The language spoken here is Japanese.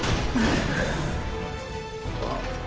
あっ？